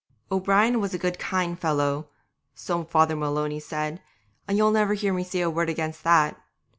O'Brien was a good, kind fellow, so Father Maloney said, and you'll never hear me say a word against that.